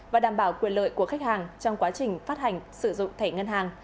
và đảm bảo quyền lợi của khách hàng trong quá trình phát hành sử dụng thẻ ngân hàng